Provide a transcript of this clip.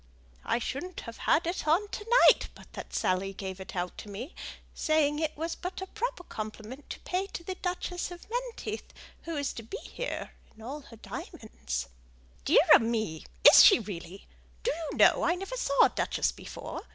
I shouldn't have had it on to night, but that Dorothy gave it out to me, saying it was but a proper compliment to pay to the Duchess of Menteith, who is to be here in all her diamonds." "Dear ah me! Is she really! Do you know I never saw a duchess before."